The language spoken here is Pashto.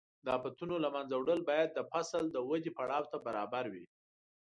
د آفتونو له منځه وړل باید د فصل د ودې پړاو ته برابر وي.